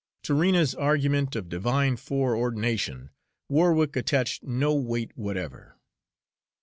To Rena's argument of divine foreordination Warwick attached no weight whatever.